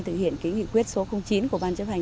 thực hiện cái nghị quyết số chín của ban chấp hành